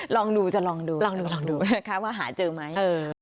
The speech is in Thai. ลองดูจะลองดูลองดูลองดูนะคะว่าหาเจอไหม